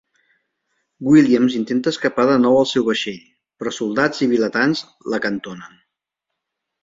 Williams intenta escapar de nou al seu vaixell, però soldats i vilatans l'acantonen.